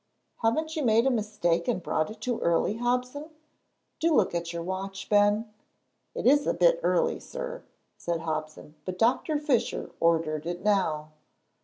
Haven't you made a mistake and brought it too early, Hobson? Do look at your watch, Ben." "It is a bit early, sir," said Hobson, "but Doctor Fisher ordered it now."